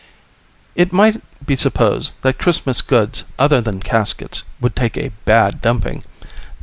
It might be supposed that Christmas goods other than caskets would take a bad dumping.